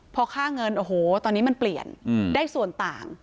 พอค่าเงินโอ้โหตอนนี้มันเปลี่ยนได้ส่วนต่าง